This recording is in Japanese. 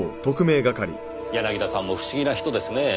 柳田さんも不思議な人ですねぇ。